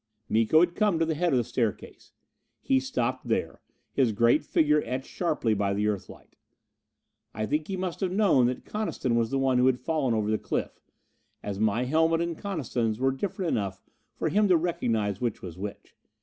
Miko had come to the head of the staircase. He stopped there, his great figure etched sharply by the Earthlight. I think he must have known that Coniston was the one who had fallen over the cliff, as my helmet and Coniston's were different enough for him to recognize which was which.